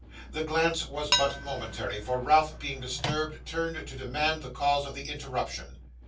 The glance was but momentary, for Ralph, being disturbed, turned to demand the cause of the interruption.